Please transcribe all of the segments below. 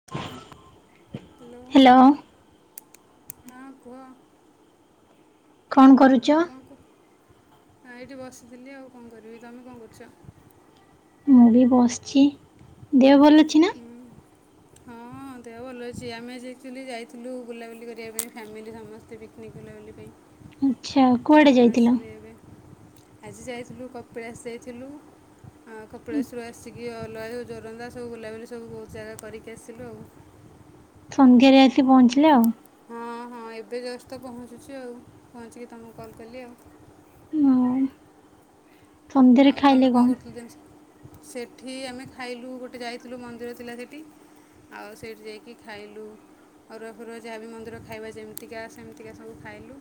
[unintelligible] Hello, hello ହଁ କୁହ। କଣ କରୁଚ? ଆଁ -ଏଇଠେ ବସିଥିଲି ଆଉ କଣ କରିବି ତମେ କଣ କରୁଚ? ମୁଁ ବି ବସ୍ ଚି ଦେହ ଭଲ ଅଛି ନା? ହୁଁ ହଁ। ହଁ ଦେହ ଭଲ ଅଛି ଆମେ ଆକ୍ଚୁଲି ଯାଇଥିଲୁ ବୁଲାବୁଲି କରିବା ପାଇଁ ଫ୍ୟାମିଲି ସମସ୍ତେ ପିକନିକ୍ ବୁଲାବୁଲି ପାଇଁ। ଆଚ୍ଛା ତ କୁଆଡ଼େ ଯାଇଥିଲ? ଆସିଲି ଏବେ ଆଜି ଯାଇଥିଲୁ କପିଳାସ୍ ଯାଇଥିଲୁ। ଆଉ କପିଳେଶ୍ୱରରୁ ଆସିକି ଅଲଗା [unintelligible] ଯୋରନ୍ଦା ସବୁ ବୁଲାବୁଲି ସବୁ ବହୁତ୍ ଜାଗା କରିକି ଆସିଲୁ ଆଉ। ସନ୍ଧ୍ୟାରେ ଆସିି ପହଞ୍ଚିଲେ ଆଉ। ହଁ -ହଁ ଏବେ ଜଷ୍ଟ୍ ତ ପହଞ୍ଚୁଚୁ ଆଉ ପହଞ୍ଚିକି ତମକୁ କଲ୍ କଲି ଆଉ। ହୁଁ ସଣ୍ଡେରେ ଖାଇଲେ କଣ? ସବୁ ଜିନିଷ। ସେଠି ଆମେ ଖାଇଲୁ ଗୋଟେ ଯାଇଥିଲୁ ମନ୍ଦିର ଥିଲା ସେଠି। ଆଉ ସେଇଠି ଯାଇକି ଖାଇଲୁ। ଅରୁଆ ଫରୁଆ ଯାହାବି ବି ମନ୍ଦିର ଖାଇବା ଯେମିତିକା ସେମିତିକା ସବୁ ଖାଇଲୁ।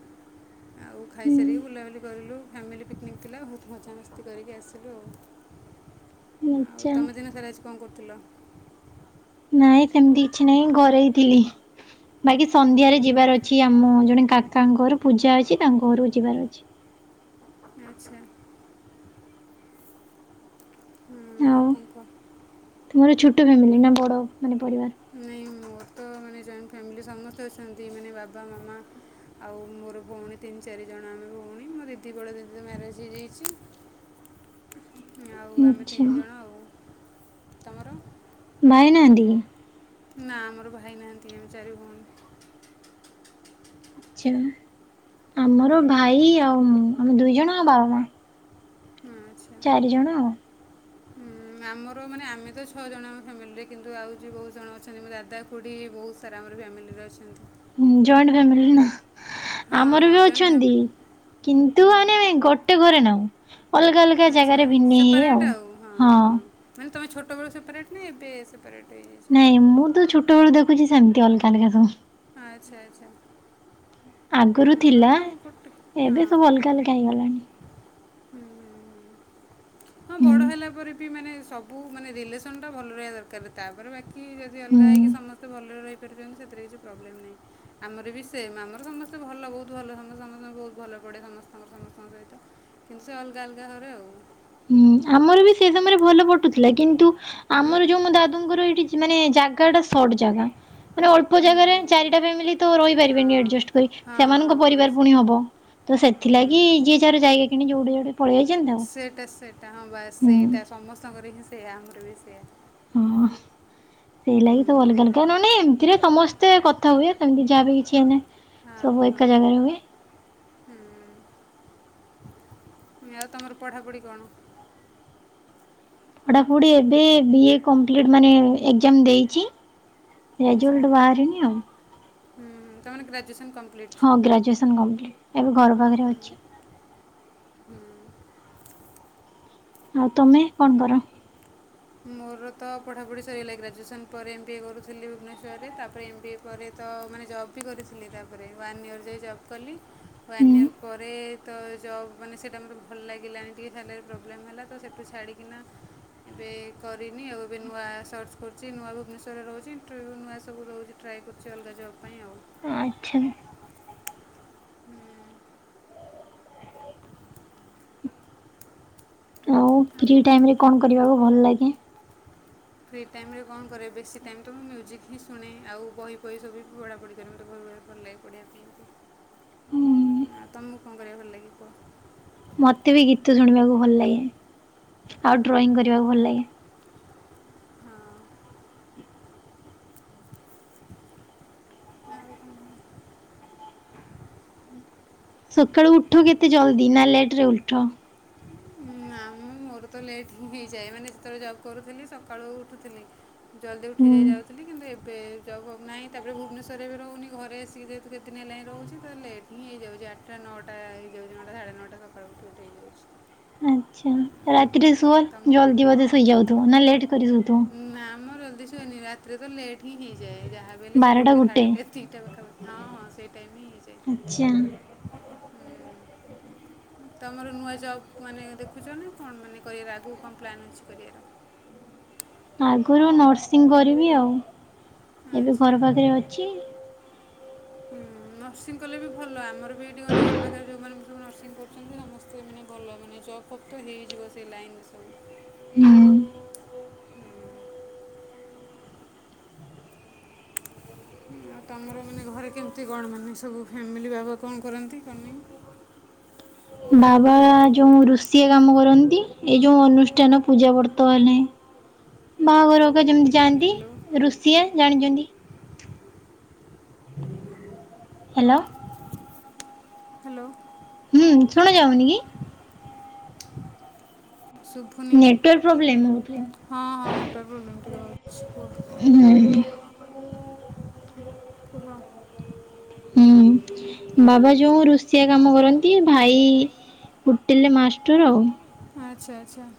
ଆଉ ଖାଇସାରିକି ହୁଁ ବୁଲାବୁଲି କରଲୁ ଫ୍ୟାମିଲି ପିକ୍ନିକ୍ ଥିଲା ବହୁତ ମଜା ମସ୍ ତି କରିକି ଆସିଲୁ ଆଉ ଆଉ ଆଚ୍ଛା ତମେ ଦିନ ସାରା ଆଜି କଣ କରୁଥିଲ? ନାଇଁ ସେମିତି କିଛି ନାହିଁ ଘରେ ହିଁ ଥିଲି। ବାକି ସନ୍ଧ୍ୟାରେ ହୁଁ, ଯିବାର ଅଛି ଆମ ଜଣେ କାକାଙ୍କ ଘର ପୂଜା ଅଛି ତାଙ୍କ ଘରକୁ ଯିବାର ଅଛି। ଆଚ୍ଛା। ହୁଁ, ଆଉ କଣ କହ? ତୁମର ଛୋଟ ଫ୍ୟାମିଲି ନା ବଡ଼ ମାନେ ପରିବାର। ନାଇଁ ମୋର ତ ମାନେ ଜଏଣ୍ଟ ଫ୍ୟାମିଲି ସମସ୍ତେ ଅଛନ୍ତି ମାନେ ବାବା ମାମା। ଆଉ ମୋର ଭଉଣୀ ତିନି ଚାରିଜଣ ଆମେ ଭଉଣୀ ମୋ ଦିଦି ବଳା ଦିଦି ତ ମ୍ୟାରେଜ ହେଇଯାଇଛି। [inaudible] ଆଉ ଆମେ ଆଚ୍ଛା ତିନି ଜଣ ଆଉ। ତମର ଭାଇ ନାହାନ୍ତି କି? ନା ଆମର ଭାଇ ନାହାନ୍ତି ଆମେ ଚାରି ଭଉଣୀ। ଆଛ ଆମର ହୁଁ, ଭାଇ ଆଉ ମୁ ଆମେ ଦୁଇ ଜଣ ଆଉ ବାବା ମା। ଆଚ୍ଛା ଚାରିଜଣ ଆଉ। ହୁଁ, ଆମର ମାନେ ଆମେ ତ ଛଅ ଜଣ ଆମ ଫ୍ୟାମିଲିରେ କିନ୍ତୁ ଆଉ ଯେ ବହୁତ ଜଣ ଅଛନ୍ତି ମୋ ଦାଦା ଖୁଡି ବହୁତ ସାରା ଆମର ଫ୍ୟାମିଲିରେ ଅଛନ୍ତି। ଜଏଣ୍ଟ ଫାମିଲି ନା ହଁ ଆମର ହଁ ବି ଜଏଣ୍ଟ ଅଛନ୍ତି। ଫ୍ୟାମିଲି କିନ୍ତୁ ହୁଁ ଆାନେ ଗୋଟେ ଘରେ ନାହୁଁ ଅଲଗା ଅଲଗା। ଆଚ୍ଛା ଜାଗାରେ ଭିନି ହେଇ ସେପାରେଟ୍ ଆଉ ହଁ ହଁ। ମାନେ ତମେ ଛୋଟବେଳୁ ସେପାରେଟ ନା ଏବେ ସେପାରେଟ୍ ହେ ନାଇଁ ମୁଁ ତ ଛୋଟ ବେଳୁ ଦେଖୁଛି ସେମିତି ଅଲଗା ଅଲଗା ସବୁ। ଆଚ୍ଛେ ଆଛେ। ଆଗରୁ ଥିଲା ଗୋଟେ ଏବେ ହଁ ସବୁ ଅଲଗା ଅଲଗା ହେଇଗଲାଣି। ହଁ ହୁଁ ବଡ ହେଲା ପରେ ବି ମାନେ ସବୁ ମାନେ ରିଲେସନ ଟା ଭଲ ରହିବା ଦରକାର। ତାପରେ ବାକି ଯଦି ଅଲଗା ହୋଇକି ହୁଁ। ସମସ୍ତେ ଭଲରେ ରହିପାରୁିଛନ୍ତି ସେଥିରେ କିଛି ପ୍ରୋବ୍ଲେମ୍ ନାଇଁ। ଆମର ବି ସେମ ଆମର ସମସ୍ତେ ଭଲ ବହୁତ ଭଲ ସମସ୍ତେ ସମସ୍ତେ ବହୁତ ଭଲ ପଡେ ସମସ୍ତଙ୍କ ସମସ୍ତଙ୍କ ସହିତ। କିନ୍ତୁ ସେ ଅଲଗା ଅଲଗା ଘରେ ଆଉ। ହୁଁ ଆମର ବି ସେ ସମୟରେ ଭଲ ପଟୁଥିଲା କିନ୍ତୁ ହୁଁ ଆମର ଯୋଉ ମୋ ଦାଦା ଦାଦାଙ୍କର ଏଇଠି ମାନେ ଜାଗା ଟା ସଟ ଜାଗା ମାନେ ଅଳ୍ପ ହୁଁ ହୁଁ। ଜାଗାରେ ଚାରିଟା ଫ୍ୟାମିଲି ତ ହଁ ରହିପାରିବେନି ଆଡଯାଷ୍ଟ କରି ହଁ ସେମାନଙ୍କ ହଁ ହଁ ପରିବାର ପୁଣି ସେଇଟା ହବ ତ ତ ସେଥିଲାଗି ଯିଏ ହୁଁ ଯାର ଜାଗା କିଣିକି ଯୋଉଠି ଯୋଉଠି ପଳେଇ ଯାଇଛନ୍ତି। ଆଉ ସେଇଟା ସେଇଟା ହଁ ବାସ ହୁଁ ସେଇଟା ସମସ୍ତଙ୍କର ହିଁ ସେଇଆ ଆମର ବି ସେଇଆ। ହଁ ସେଇ ହୁଁ ଲାଗି ସବୁ ଅଲଗା ଅଲଗା ନହନେ ଏମିତିରେ ସମସ୍ତେ କ ଥା ହୁଏ ସେମିତି ଯାହା ବି କିଛି ହେନେ ସବୁ ଏକା ଜାଗାରେ ହୁଏ। ହୁଁଁ। ଆଉ ତମର ପଢ଼ାପଢ଼ି କଣ? ପଢାପଢି ଏବେ ବି ଏ କମ୍ପିଟ ମାନେ ଏଗଜାମ ଦେଇଛି। ଆଚ୍ଛା ରେଜଲ୍ଟ ବାହାରିନି ଆଉ। ହୁଁ ତାମାନେ ଗ୍ରାଜୁଏସନ୍ କମ୍ପ୍ଲିଟ୍। ହଁ ଗ୍ରାଜୁଏସନ୍ କମ୍ପ୍ଲିଟ୍ ଏବେ ଘର ପାଖରେ ଅଛି। ଆଉ ତମେ କଣ କର? ମୋର ତ ପଢ଼ାପଢ଼ି ସରିଗଲା, ଗ୍ରଜୁଏସନ୍ ପରେ ଏମ୍ ବିି ଏ କରୁଥିଲି ଭୁବନେଶ୍ୱରରେ ତାପରେ ଏମ୍ ବି ଏ ତା ପରେ ତ ମାନେ ଜବ୍ ବି କରିଥିଲି ତାପରେ, ୱାନ୍ ଇୟର୍ ଯାଏ ଜବ୍ କଲି। ହୁଁ। ୱାନ୍ ୟିଅର୍ ପରେ ତ ଜବ୍ ମାନେ ସେଇଟା ମୋର ଭଲ ଲାଗିଲାନି ଟିକେ ସାଲାରୀ ପ୍ରୋବ୍ଲେମ୍ ହେଲା ତ, ସେଠୁ ଛାଡ଼ିକିନା ଏବେ କରିନି ଆଉ, ଏବେ ନୂଆ ସର୍ଚ୍ଚ କରୁଛି ନୂଆ ଭୁବନେଶ୍ୱରରେ ରହୁଛି ଇଣ୍ଟରଭ୍ୟୁ ନୂଆ ସବୁ ରହୁଛି ଟ୍ରାଏ କରୁଛି ଅଲଗା ଜବ୍ ପାଇଁ ଆଉ। ଆଚ୍ଛା। ହୁଁ, ଆଉ ଫ୍ରି କ'ଣ କୁହ? ଟାଇମ ରେ କଣ କରିବାକୁ ଭଲ ଲାଗେ। ଫ୍ରି ଟାଇମ୍ରେ କଣ କରେ ବେଶୀ ଟାଇମ୍ ତ ମୁଁ ମ୍ୟୁଜିକ୍ ହିଁ ଶୁଣେ, ଆଉ ବହି ଫହି ସବୁ ବି ପଢ଼ାପଢ଼ି କରେ ମୋତେ ଭ ଭଲ ଲାଗେ। ପଡ଼ିବା ପାଇଁ, ଆଉ ତମକୁ କଣ କରିବାକୁ ଭଲ ଲାଗେ କୁହ? ମତେ ବି ଗୀତ ଶୁଣିବାକୁ ଭଲ ଲାଗେ, ଆଉ ଡ୍ରଇଂ କରିବାକୁ ଭଲ ଲାଗେ। ହଁ ଆଉ କ'ଣ ସକାଳୁ ଉଠ କେତେ ଜଲ୍ଦି ନା ଲେଟ୍ରେ ଉଠ। ନା ମୁଁ ମୋର ତ ଲେଟ୍ ହିଁ ହେଇଯାଏ। ମାନେ ସେତେବେଳେ ଜବ୍ କରୁଥିଲି ସକାଳୁ ଉଠୁଥିଲି। ଜଲ୍ଦି ଉଠି ହୁଁ। ଯାଇ ଯାଉଥିଲି କିନ୍ତୁ ଏବେ ଏବେ ଜବ୍ ଫବ୍ ନାହିଁ। ତାପରେ ଭୁବନେଶ୍ୱରରେ ବି ରହୁନି, ଘରେ ଆସିକି ଯେହେତୁ କେତେଦିନ ହେଲାଣି ରହୁଛି। ତ ଲେଟ୍ ହିଁ ହେଇଯାଉଛି ଆଠ ଟା ନଟା ହେଇଯାଉଚି ନଟା଼ ସାଢ଼େ ନଅଟା ସକାଳୁ ଉଠି ଉଠି ହେଇଯାଉଛି ଆଛା, ରାତିରେ ଶୁଅ ଆଉ ତୁମକୁ ଜଲ୍ଦି ବଧେ ଶୋଇଯାଉଥିବ ନା ଲେଟ୍ କରି ଶୋଉଥିବ? ନା ମ ଜଲଦି ଶୁଏନି ରାତିରେ ତ ଲେଟ୍ ହିଁ ହେଇଯାଏ ଯାହା ବୋଇଲେ ଯେ ଗୋଟେ ସାଢ଼େଗୋଟେ ଦିଇଟା ପାଖାପାଖି ହଁ ହଁ ସେଇ ଟାଇମ୍ ହିଁ ହେଇଯାଏ। ହୁଁ। ଆଛା। ତମର ନୂଆ ଜବ୍ କ ମାନେ ଦେଖୁଛ ନା କଣ, ମାନେ କରିବାର ଆଗକୁ କଣ ପ୍ଲାନ୍ ଅଛି କରିବାର? ଆଗରୁ ନର୍ସିଂ କରିବି ଆଉ ଏବେ ଆଚ୍ଛା ଘର ପାଖରେ ଅଛି। ହୁଁ ଉଁ ନର୍ସିଂ କଲେ ବି ଭଲ। ଆମର ବି ଏଠି ମାନେ ଘର ପାଖରେ ଯେଉଁମାନେ ସବୁ ନର୍ସିଂ କରୁଛନ୍ତି! ସମସ୍ତେ ମାନେ ଭଲ ମାନେ ଜବ୍ ଫବ୍ ତ ହେଇଯିବ ସେ ଲାଇନ ରେ ସବୁ। ହୁଁ। ହୁଁ ଉଁ [inaudible] ଆଉ ତମର ମାନେ ଘରେ କେମିତି କଣ ମାନେ ସବୁ। ଫ୍ୟାମିଲି ବାବା କଣ କରନ୍ତି କଣ ନାହିଁ? ବାବା ଯୋଉ ରୋଷେଇ କାମ କରନ୍ତି। ଏଇ ଯୋଉ ଅନୁଷ୍ଠାନ ପୂଜା ବର୍ତ ହେଲେ। ବାହାଘରଗା ଯେମତି ଯାଆନ୍ତି ହ୍ୟାଲୋ ରୋଷେୟା ଜାଣିଛନ୍ତି। ହାଲୋ। ହାଲୋ। ହୁଁ ଶୁଣ ଯାଉନି କି? ଶୁଭୁନି ନେଟୱର୍କ ପ୍ରୋବ୍ଲେମ୍ ନେଟୱାର୍କ ହଁ ହଁ ହଉଥିବ। ନେଟୱାର୍କ ପ୍ରୋବ୍ଲେମ୍ ଟିକେ ହେଉଛି କୁହ ହ କୁହ? ହୁଁ [inaudible] ବାବା ଯୋଉ ରୋସେୟା କାମ କରନ୍ତି ଭାଇ ହୋଟେଲରେ ମାଷ୍ଟର ଆଉ। ଆଛା ଆଛା।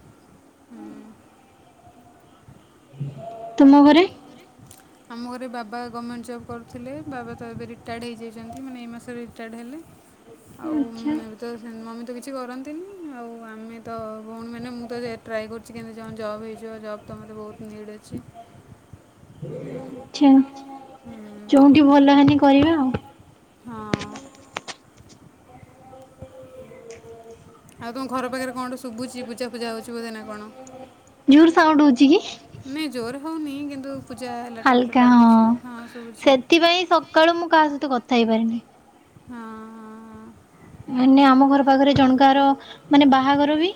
ତୁମ ଘରେ? ଆମ ଘରେ ବାବା ଗଭର୍ଣ୍ଣମେଣ୍ଟ ଜବ୍ କରୁଥିଲେ, ବାବା ତ ଏବେ ରିଟାୟାର୍ଡ଼ ହେଇଯାଇଛନ୍ତି, ମାନେ ଏଇ ମାସରେ ରିଟାୟାର୍ଡ଼ ହେଲେ। ଆଚ୍ଛା ଆଉ ତ ମମି ତ କିଛି କରନ୍ତିନି, ଆଉ ଆମେ ତ ଭଉଣୀମାନେ ମୁଁ ତ ଟ୍ରାଏ କର କିଛି କେନ୍ତିତି ଜ ଜବ୍ ହେଇଯିବ, ଜବ୍ ତ ମୋେ ବହୁତ ନିଡ଼୍ ଅଛି। ଆଛା, ହୁଁ। ଚୋଉଠି ଭଲ ହେନି କରିବା ଆଉ। ହଁ ଅଁ ଆଉ ତୁମ ଘର ପାଖରେ କଣଠୁ ଶୁଭୁଛି ପୂଜାଫୁଜା ହେଉଛି ବୋଧେ ନା କଣ? ଜୁର୍ ସାଉଣ୍ଡ ହଉଛି କି? ନାଇଁ ଜୋର ହଉନି କିନ୍ତୁ ପୂଜା ହେଲା ଟାଇପ ର ଲାଗୁଛି ହଁ ଶୁବୁଛି। ସେଥିପାଇଁ ସବ ସକାଳୁ ମୁଁ କାହା ସହିତ କଥାହେଇପାରିନି। ହଁ ହଁ। ମାନେ ଆମ ଘର ପାଖରେ ଜଣକାର ମାନେ ବାହାଘର ବି,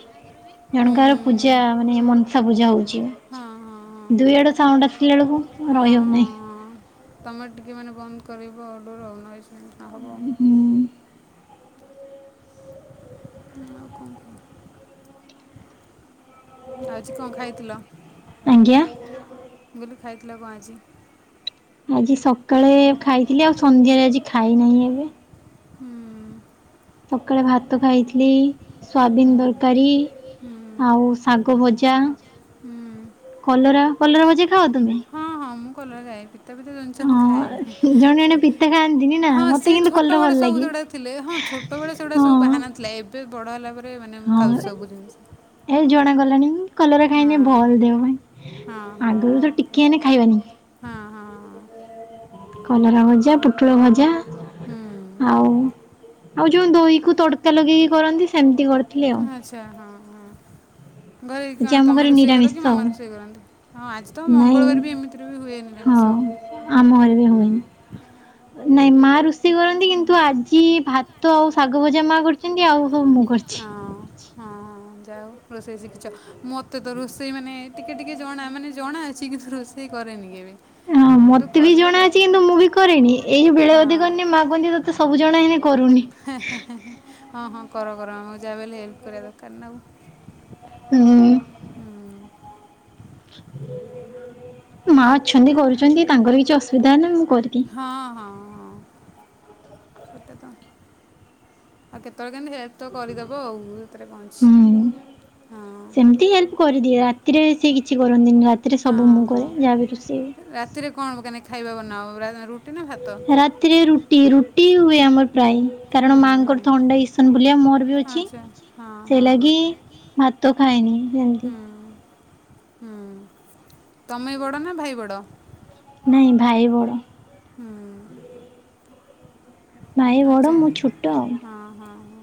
ହୁଁ ହୁଁ। ଜଣକାର ପୂଜା ମାନେ ମନସା ପୂଜା ହେଉଛି। ଦୁଇ ଆଡୁ ସାଉଣ୍ଡ ଆସିଲା ବେଳକୁ ରହିହଉନି। ତୁମେ ଟିକିଏ ମାନେ ବନ୍ଦ କରିବ ଡୋର, ନଏଜ ଟା ନ ହେବ ଅ ହୁଁ ଆଉ କଣ କହ? ଆଜି କଣ ଖାଇଥିଲ? ଆଜ୍ଞା ବୋଲି ଖାଇଥିଲ କଣ ଆଜି? ଆଜି ସକାଳେ ଖାଇଥିଲି, ଆଉ ସନ୍ଧ୍ୟାରେ ଆଜି ଖାଇନାହିଁ ଏବେ। ହୁଁ ଉଁ ସକାଳେ ଭାତ ଖାଇଥିଲି ସୋୟାବିନ ତରକାରୀ। ଆଉ ଶାଗ ଭଜା, କଲରା କଲରା ଭଜା ଖାଅ ତମେ? ହଁ ହଁ ମୁଁ [unintelligible] [unintelligible] ଜିନିଷ ମୁଁ ହଁ ଖାଏ ଜଣେ ଜଣେ ପିତା ଖାଆନ୍ତିନି ନା ହଁ ମତେ ସିଏ କିନ୍ତୁ ଛୋଟ କଲରା ବେଳେ ଭଲ ସବୁ ଲାଗେ ଯୋଉଡ଼ା ଥିଲେ ହଁ ଛୋ ସେତେବେଳେ ସେଗୁଡ଼ା ହଁ ସବୁ ବାହାନା ଥିଲା, ଏବେ ବଡ଼ ହେଲା ପରେ ମାନେ ହଁ ଖାଉଚି ସବୁ ଜିନିଷ। ଏ ଏ ଜଣାଗଲାଣି କଲରା ଖାଇନେ ଭଲ ଦେହ ପାଇଁ ଆଗରୁ ତ ଟିକେ ହେନେ ଖାଏନି। ହଁ ହଁଁ। କଲରା ଭଜା ପୁଟଳ ଭଜା ଆଉ ଆଉ ଯୋଉ ଦହିକୁ ତଡ଼କା ଲଗେଇକି କରନ୍ତି ସେମିତି କରିଥିଲି ଗୋଟେ ଆଉ। ହୁଏ। ଆଚ୍ଛା ହଁ ହଁ, ଘରେ କଣ ଆଜି ଆମ ତୁମେ ଘରେ ରୋଷେଇ କର ନିରାମିଷ କି ମାମା ଆଉ ରୋଷେଇ କରନ୍ତି? ହଁ ଆଜି ତ ନାଇଁ ମଙ୍ଗଳବାର ବି ଏମିତିରେ ବି ହୁଏନି ହଁ ଆମିଷ। ଆମ ଘରେ ବି ହୁଏନି। ହ ନାଇଁ ମା ରୋଷେଇ କରନ୍ତି କିନ୍ତୁ ଆଜି ଭାତ ଆଉ ଶାଗ ଭଜା ମା କରିଚନ୍ତି ଆଉ ସବୁ ମୁଁ କରିଛି। ହଁ ହଁ ଯାଉ ରୋଷେଇ ଶିଖିଚ ମତେ ତ ରୋଷେଇ ମାନେ ଟିକେ ଟିକେ ଜଣା ମାନେ ଜଣା ଅଛି କିନ୍ତୁ ରୋଷେଇ କରେନି କେବେ। ହଁ କିନ୍ତୁ ମତେ ବି କଲେ ଜଣା ଅଛି କିନ୍ତୁ ମୁଁ ବି କରେନି, ଏଇ ବେଳେ ବେଳେ କରିନି ମାଆ କହନ୍ତି [unintelligible] ସବୁ ଜଣା ହେ କରୁନି ହଁ ହଁ ହଁ କର କର ମୁଁ ଯାହା ବି ହେଲେ ହେଲ୍ପ କରିବା ଦରକାର ନା ଆଉ। ହୁଁ। ହୁଁ ମା ଅଛନ୍ତି କରୁଚନ୍ତି ତାଙ୍କର କିଛି ଅସୁବିଧା ହେ ନା ମୁଁ କରିଦିଏ। ହଁ ହଁ ହଁ। ତ ଆଉ କେତେବେଳେ କେମିତି ହେଲ୍ପ ତ କରିଦେବ ଆଉ ସେଥିରେ କଣ ଅଛି। ହୁଁ। ହଁ। ସେମିତି ହେଲ୍ପ କରିଦିଏ, ରାତିରେ ସେଏ କିଛି କରନ୍ତିନି, ରାତିରେ ହଁ ସବୁ ମୁଁ ହଁ କରେ ଯାହା ବିି ରୋଷେଇ। ରାତିରେ କଣ [unintelligible] ଖାଇବା ବନାଅ ରୁଟି ନା ଭାତ? ରାତିରେ ରୁଟି ରୁଟି ହୁଏ ଆମର ପ୍ରାୟ, ହୁଁ କାରଣ ହୁଁ। ମାଆଙ୍କର ଥଣ୍ଡା ଇସନ ଫୁଲିଆ ମୋର ହଁ ଅଛି ଆଚ୍ଛା ହଁ ସେ ହଁ। ଲଗି ଭାତ ଖାଏନି, ସେମିତି ହୁଁ ହୁଁ ତମେ ବଡ଼ ନା ଭାଇ ବଡ଼? ନାଇଁ ଭାଇ ବଡ଼। ହୁଁ। ଭାଇ ବଡ଼ ଆଚା ମୁଁ ଛୋଟ ଆଉ ହଁ ହଁ ହଁ।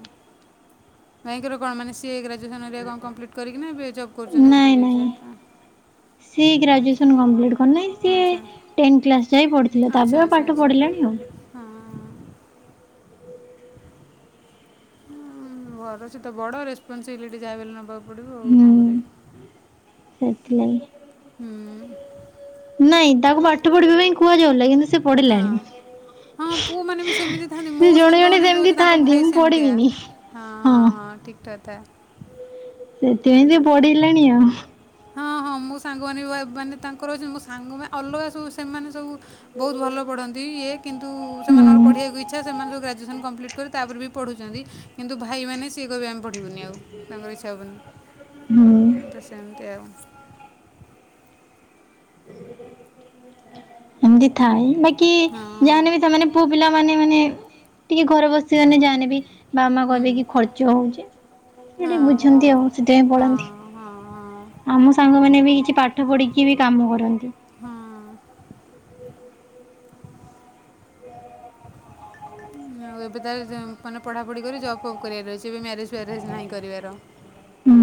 ଭାଇଙ୍କର କଣ ମାନେ ସିଏ ଗ୍ରାଜୁଏସନ ହେରିକା କଣ କମ୍ପ୍ଲିଟ୍ କରିକିନା ଏ ଜବ୍ କରୁଛନ୍ତି ହୋଟେଲ? [unintelligible] ସେଇ ଗ୍ରାଜୁଏସନ କମ୍ପ୍ଲିଟ ନା ନାଇଁ ସିଏ ଆଚ୍ଛା ଟେନ କ୍ଲାସ କରିକି ଟେନ୍ଥ ଯାଏ ପଢିଥିଲା, ତାପରେ ଆଉ ପାଠ ପଢିଲାନି ଆଉ। ହଁ ହଁ। ଉଁ ଘର ସେ ତ ବଡ଼ ରେସପନ୍ସିବିଲିଟି ଯାହା ବି ହେଲେ ନବାକୁ ପଡିବ ଆଉ କଣ ହୁଁ କରିବା, ସେଥିଲାଗି ହୁଁ। ନାଇଁ ତାକୁ ପାଠ ପଢିବା ପାଇଁ କୁହାଯାଉଥିଲା କିନ୍ତୁ ସେ ହଁ ପଢିଲାଣି। ହଁ ପୁଅ ମାନେ ବି ସେମିତି ଥାନ୍ତି, ମୋ ଜଣେ ସାଙ୍ଗମାନେ ବି ଯୋଉ ସେମିତି ବି ତାଙ୍କ ଥାଆନ୍ତି ଭାଇ ମୁଁ ସେମିତିଆ। ପଢ଼ିବିନି ହଁ ହଁ ହଁ ଠିକ କଥା। ସେଥିପାଇଁ କଥା ସେ ପଢିଲାଣି ଆଉ। ହଁ ହଁ ମୋ ସାଙ୍ଗମାନେ ମାନେ ତାଙ୍କର ଅ ମୋ ସାଙ୍ଗମାନେ ଅଲଗା ସବୁ ସେମାନେ ସବୁ ବୋହୁତ ଭଲ ପଢନ୍ତି ଇଏ କିନ୍ତୁ ସେମାନଙ୍କର ହୁଁ ପଢ଼ିବାକୁ ଇଛ ଇଛା ସେମାନେ ଯେଉଁ ଗ୍ରଜୁଏସନ୍ କମ୍ପ୍ଲିଟ୍ କରି ତାପରେ ବି ପଢୁଚନ୍ତି, କିନ୍ତୁ ଭାଇମାନେ ସିଏ କହିବେ ଆମ ପଢ଼ିବୁନି ଆଉ ତାଙ୍କର ଇଚ୍ଛା ହେବନି, ହୁଁ ଏ ତ ସେମିତି ଆଉ। ଏମିତି ଥାଏ, ବାକି ଯାହା ହଁ। ହେନେ ବି ସେମାନେ ପୁଅ ପିଲା ମାନେ ମାନେ ଟିକେ ଘରେ ବସିଗନେ ଯାହା ହେନେ ବି ବାମା ମା କହିବେ କି ଖର୍ଚ୍ଚ ହୋଉଚି ସେ ବୁଝନ୍ତି ଟିକେ ଆଉ ବୁଝନ୍ତି ଆଉ ସେଥି ପାଇଁ ପଳାନ୍ତି। ଆମ ଆମ ସାଙ୍ଗମାନେ ବି କିଛି ପାଠ ପଢିକି ବି କାମ କରନ୍ତି। ହଁ ଆଉ ଏବେ ତାହେଲେ ମାନେ ପଢ଼ାପଢ଼ି କରି ଜବ୍ ଫବ୍ କରିବାର ଅଛି, ଏବେ ମ୍ୟାରେଜ୍ ଫ୍ୟାରେଜ ନାହିଁ କରିବାର?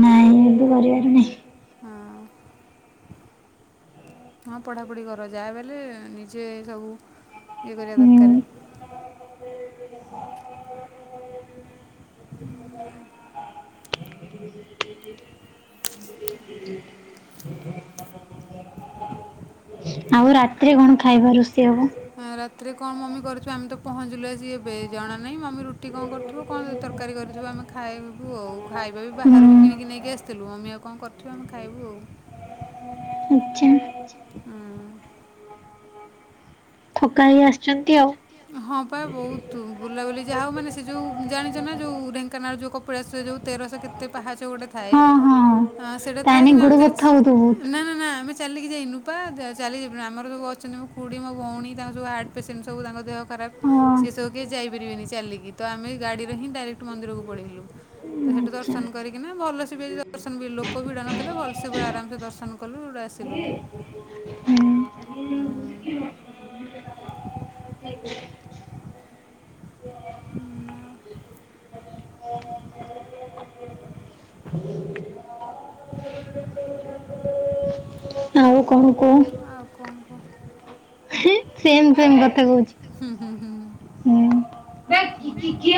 ନାଇଁ ଏବେ କରିବାର ନାଇଁ। ହଁ। ହଁ ପଢ଼ାପଢ଼ି କର ଯାହା ବଲେ ନିଜେ ସବୁ ଇଏ କରିବା ହୁଁ ଦରକାର। [inaudible] ହୁଁ ଆଉ। ହୁଁ ହୁଁ। ଆଉ ରାତିରେ କଣ ଖାଇବା ରୋଷେଇ ହବ? ରାତିରେ କଣ ମମି କରିଛୁ ଆମେ ତ ପହଞ୍ଚିଲୁ ଆଜି ଏବେ ଜଣ ନାହିଁ। ମମି ରୁଟି କଣ କର କଣ ତରକାରୀ କରିଥିବ ଆମେ ଖାଇବୁ ଆଉ ଖାଇବା ବି ବାହାରୁ ବି ହୁଁ କିଣିକି ନେଇକି ଆସିଥିଲୁ ମମି ଆ କଣ କରି ଆମେ ଖାଇବୁ ଆଉ। ଆଛା। ହୁଁ। ଥକା ହେଇ ଆସିଛନ୍ତି ଆଉ। ହଁ ପା ବହୁତ। ତୁ ବୁଲାବୁଲି ଯାହା ହଉ ମାନେ ସେ ଯେଉଁ ଜାଣିଛ ନା ଯୋଉ ଢେଙ୍କାନାଳ ର ଯୋଉ କପିଳାସ ରେ ଯେଉଁ ତେରସହ କେତେ ପାହାଚ ଗୋଟେ ଥାଏ ହଁ ହଁ ସେଟା ଥାଏ ତାହେଲେ କିନ୍ତୁ ଗୋଡ ଆମେ ଟିକେ ବଥା ହଉଥିବ ବହୁତ। ନା ନା ନା ଚାଲିକି ଯାଇନୁପା ଚାଲି ଯିବନି ଆମର ସବୁ ଅଛନ୍ତି ମୋ ଖୁଡି ମୋ ଭଉଣ ତାଙ୍କ ସବୁ ହାର୍ଟ ପେସେଣ୍ଟ ସବୁ ତାଙ୍କ ଦେହ ଖରାପ ହଁ ସେ ସବୁ କେହି ଯାଇପାରିବେିନି ଚାଲିକି ତ ଆମେ ଗାଡ଼ିରେ ହିଁ ଡାଇରେକ୍ଟ ମନ୍ଦିରକୁ ପଳେଇଲୁ। ତ ସେଇଠୁ ଆଚ୍ଛା ଦର୍ଶନ କରିକିନା ଭଲ ସେ ବି ଦର୍ଶନ ବି ଲୋକ ଭିଡ ନଥିଲା ଭଲସେ ପୁର ଆରାମସେ ଦର୍ଶନ ରୁ ଆସିଲୁ। ହୁଁ ଉଁ, [inaudible] ହ [unintelligible] ଆଉ କଣ କହ? [unintelligible] ଆଉ ଆଉ କଣ କୁହ। ସେମ ସେମ କଥା କହୁଛି। ହୁଁ ହୁଁ ହୁଁ ହୁଁ।